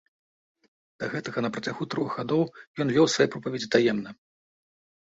Да гэтага, на працягу трох гадоў, ён вёў свае пропаведзі таемна.